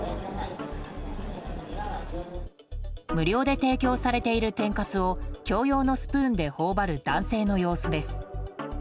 無料で提供されている天かすを共用のスプーンで頬張る男性の様子です。